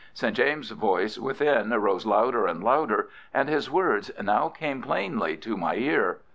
St. James's voice within rose louder and louder, and his words now came plainly to my ear.